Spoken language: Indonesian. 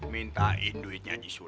minta duitnya jisulam